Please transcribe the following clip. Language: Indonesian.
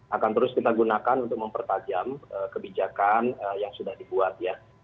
akan terus kita gunakan untuk mempertajam kebijakan yang sudah dibuat ya